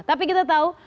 tapi kita tahu